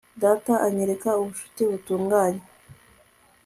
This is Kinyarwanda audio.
data anyereka ubucuti butunganye